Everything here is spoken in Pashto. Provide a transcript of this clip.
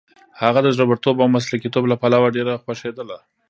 هغه د زړورتوب او مسلکیتوب له پلوه ډېره خوښېدله.